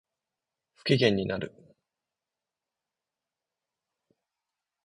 不機嫌になる